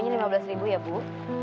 semuanya rp lima belas ya bu